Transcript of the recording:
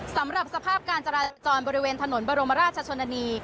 สำหรับสภาพการจราจรบริเวณถนนบรมราชชนนานี